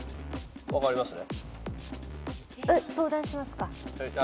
分かりますね？